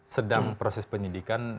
sedang proses penyidikan